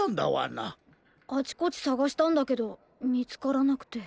あちこちさがしたんだけどみつからなくて。